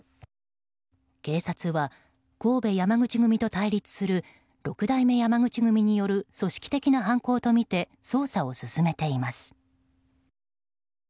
警察は、神戸山口組と対立する六代目山口組による組織的な犯行とみて捜査を進めています。